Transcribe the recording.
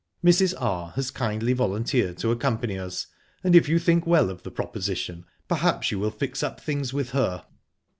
_ Mrs. R. has kindly volunteered to accompany us, and, if you think well of the proposition, perhaps you will fix up things with her.